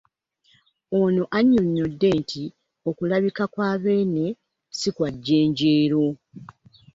Ono annyonnyodde nti okulabika kwa Beene si kwa jjenjeero